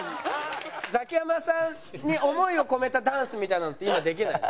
ザキヤマさんに思いを込めたダンスみたいなのって今できないの？